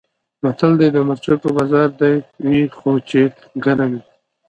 متل دی: د مرچکو بازار دې وي خو چې ګرم وي.